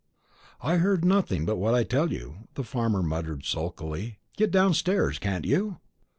"I heard nothing but what I tell you," the farmer muttered sulkily. "Get downstairs, can't you?"